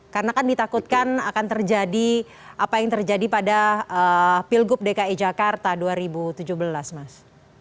karena kan ditakutkan akan terjadi apa yang terjadi pada pilgub dki jakarta dua ribu tujuh belas mas